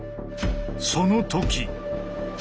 その時！